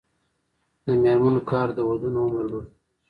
د میرمنو کار د ودونو عمر لوړوي.